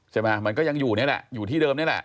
ใช่ไหมมันก็ยังอยู่นี่แหละอยู่ที่เดิมนี่แหละ